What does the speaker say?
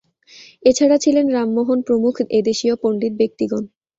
এছাড়া ছিলেন রামমোহন প্রমুখ এদেশীয় পণ্ডিত ব্যক্তিগণ।